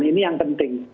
ini yang penting